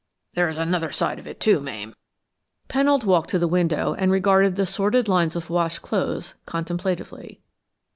"There's another side of it, too, Mame." Pennold walked to the window, and regarded the sordid lines of washed clothes contemplatively.